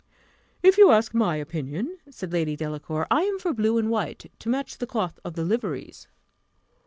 "If you ask my opinion," said Lady Delacour, "I am for blue and white, to match the cloth of the liveries."